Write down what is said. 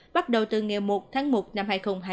bắt đầu từ ngày một tháng một năm hai nghìn hai mươi